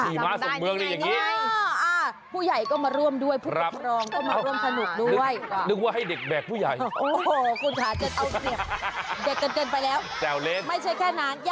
สี่ม้าส่งเมืองอะไรอย่างนี้ค่ะ